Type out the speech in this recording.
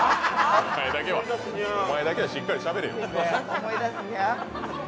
お前だけはしっかりしゃべれよ。